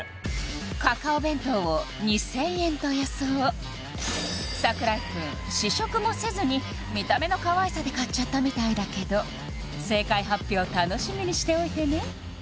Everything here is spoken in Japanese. カカオ弁当を２０００円と予想櫻井くん試食もせずに見た目のかわいさで買っちゃったみたいだけど正解発表楽しみにしておいてね